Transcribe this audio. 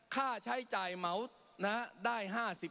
ค่าใช้จ่ายเหมาได้๕๐บาท